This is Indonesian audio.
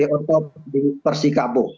logo sbo talk di persikabo